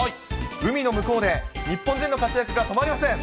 海の向こうで日本人の活躍が止まりません。